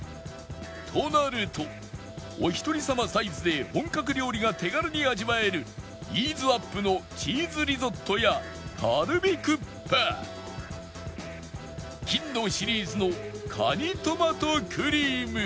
となるとお一人様サイズで本格料理が手軽に味わえるイーズアップのチーズリゾットやカルビクッパ金のシリーズの蟹トマトクリーム